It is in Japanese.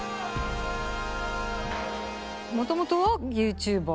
もともとはＹｏｕＴｕｂｅｒ？